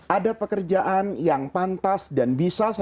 ada pekerjaan yang pantas dan bisa saya lakukan